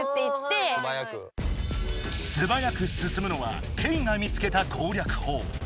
すばやく進むのはケイが見つけたこうりゃくほう。